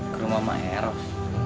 ke rumah sama eros